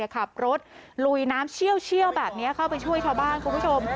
ขับรถลุยน้ำเชี่ยวแบบนี้เข้าไปช่วยชาวบ้านคุณผู้ชม